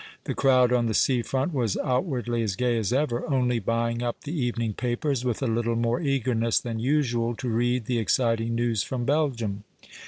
The crowd on the scafront was outwardly as gay as ever, only buying up the evening papers with a little more eagerness than usual to read the exeiting news from Belgium.